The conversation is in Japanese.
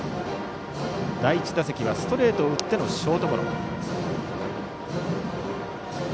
第１打席はストレートを打ってのショートゴロ。